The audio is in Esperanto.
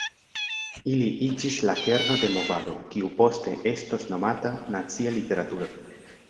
Ili iĝis la kerno de movado kiu poste estos nomata nacia literaturo.